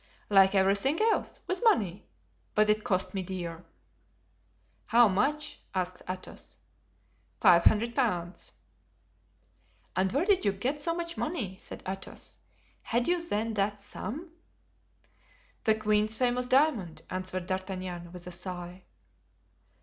"Like everything else, with money; but it cost me dear." "How much?" asked Athos. "Five hundred pounds." "And where did you get so much money?" said Athos. "Had you, then, that sum?" "The queen's famous diamond," answered D'Artagnan, with a sigh.